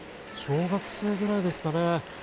小学生くらいですかね。